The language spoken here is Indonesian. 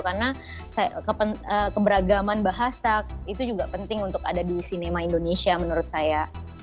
karena keberagaman bahasa itu juga penting untuk ada di sinema indonesia menurut saya